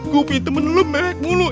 gue punya temen lo melek mulu